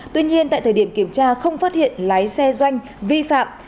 tuy nhiên tại thời điểm kiểm tra không phát hiện lái xe doanh vi phạm